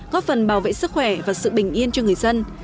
góp phần bảo vệ sức khỏe và sự bình yên cho người dân